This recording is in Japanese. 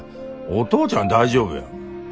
お父ちゃんは大丈夫や。